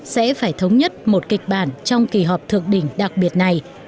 sẽ phải thống nhất một kịch bản trong kỳ họp thượng đỉnh đặc biệt này